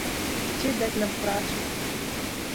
Ці даць нам працу!